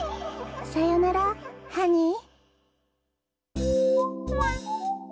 さようならハニー。